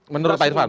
menurut pak irfan